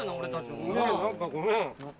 何かごめん。